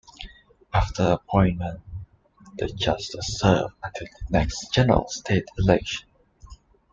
After appointment, the justices serve until the next general state election.